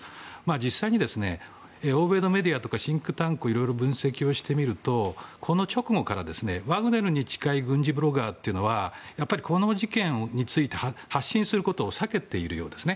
実際に欧米のメディアとかシンクタンクをいろいろ分析してみるとこの直後からワグネルに近い軍事ブロガーというのはこの事件について発信することを避けているようです。